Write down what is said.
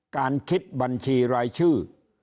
การคิดบัญชีรายชื่อ